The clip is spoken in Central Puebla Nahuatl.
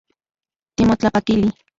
Timotlapakili